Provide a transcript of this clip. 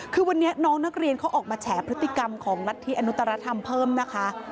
คือวันนี้น้องนักเรียนเขาออกมาแฉพฤติกรรมของรัฐธิอนุตรธรรมเพิ่มนะคะ